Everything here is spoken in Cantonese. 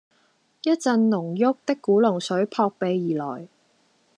一陣濃郁的古龍水撲鼻而來